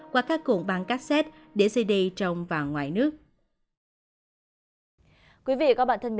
qua các cuộn băng cassette đĩa cd trong và ngoài nước